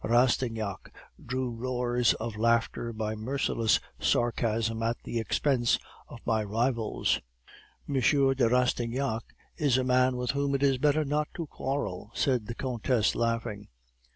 Rastignac drew roars of laughter by merciless sarcasms at the expense of my rivals. "'M. de Rastignac is a man with whom it is better not to quarrel,' said the countess, laughing.